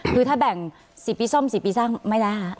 คือถ้าแบ่ง๔ปีซ่อม๔ปีสร้างไม่ได้